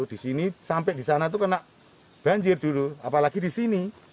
di sini sampai di sana itu kena banjir dulu apalagi di sini